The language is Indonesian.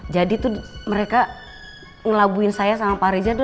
jadi tuh mereka ngelabuin saya sama pak reza